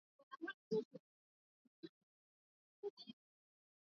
wakuondoa majeshi yake wote nchini afghanistan kufikia mwishoni mwa mwaka ujao